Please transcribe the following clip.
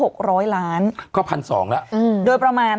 ก็๑๒๐๐ล้านโดยประมาณ